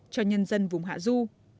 cho nhân dân vùng hạ du